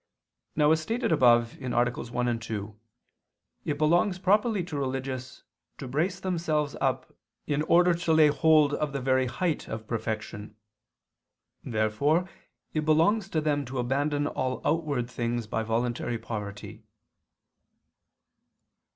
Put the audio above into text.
Now, as stated above, (AA. 1, 2), it belongs properly to religious to brace themselves up in order to lay hold of the very height of perfection. Therefore it belongs to them to abandon all outward things by voluntary poverty.